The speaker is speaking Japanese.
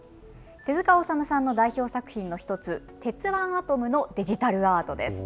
手塚治虫さんの代表作品の１つ「鉄腕アトム」のデジタルアート。